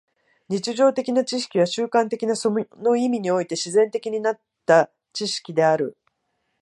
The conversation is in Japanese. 日常的な知識は習慣的な、その意味において自然的になった知識である。